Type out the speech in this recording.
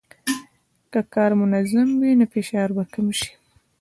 که کار منظم وي، نو فشار به کم شي.